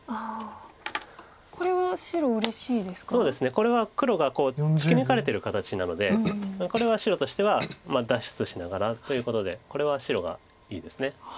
これは黒が突き抜かれてる形なのでこれは白としては脱出しながらということでこれは白がいいです。